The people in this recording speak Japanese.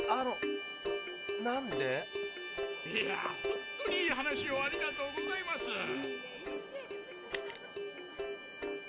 ほんとにいい話をありがとうございます。